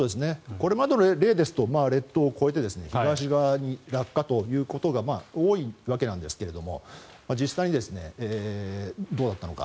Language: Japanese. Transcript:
これまでの例ですと列島を越えて東側に落下ということが多いわけなんですけども実際にどうだったのか。